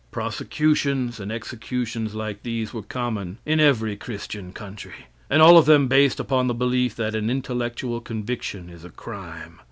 Prosecutions and executions like these were common in every Christian country, and all of them based upon the belief that an intellectual conviction is a crime.